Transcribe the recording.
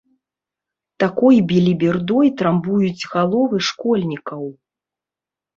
Такой белібердой трамбуюць галовы школьнікаў.